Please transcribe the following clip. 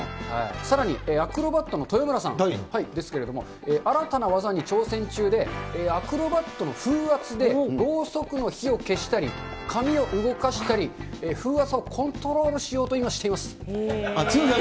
さらにアクロバットの豊村さんですけれども、新たな技に挑戦中で、アクロバットの風圧でろうそくの火を消したり、紙を動かしたり、風圧をコントロールしようと今しています。